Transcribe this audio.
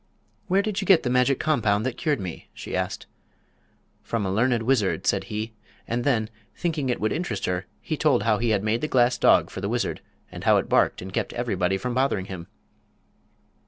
"Where did you get the magic compound that cured me?" she asked. "From a learned wizard," said he; and then, thinking it would interest her, he told how he had made the glass dog for the wizard, and how it barked and kept everybody from bothering him.